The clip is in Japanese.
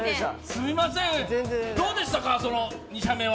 すいません、どうでしたか、２射目は。